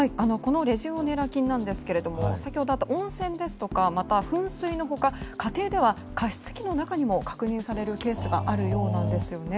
レジオネラ菌ですけども先ほどあった温泉ですとか噴水の他家庭では加湿器の中にも確認されるケースがあるようなんですよね。